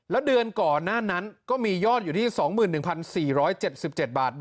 แล้วเดือนก่อนหน้านั้นก็มียอดอยู่ที่๒๑๔๗๗บาท